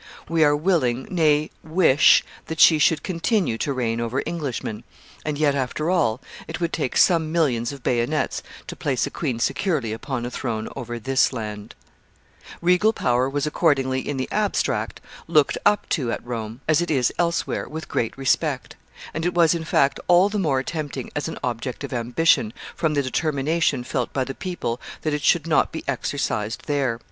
We are willing, nay, wish that she should continue to reign over Englishmen; and yet, after all, it would take some millions of bayonets to place a queen securely upon a throne over this land. [Sidenote: Regal power.] Regal power was accordingly, in the abstract, looked up to at Rome, as it is elsewhere, with great respect; and it was, in fact, all the more tempting as an object of ambition, from the determination felt by the people that it should not be exercised there.